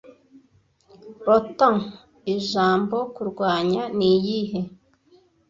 Le temps, ijambo kumwanya, niyihe